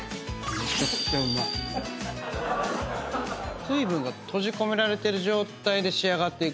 めちゃくちゃうれしいな。